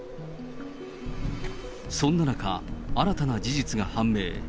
そんな中、新たな事実が判明。